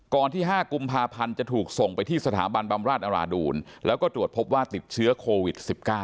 ที่๕กุมภาพันธ์จะถูกส่งไปที่สถาบันบำราชอราดูลแล้วก็ตรวจพบว่าติดเชื้อโควิด๑๙